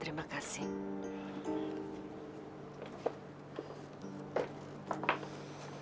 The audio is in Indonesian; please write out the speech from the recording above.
terima kasih bu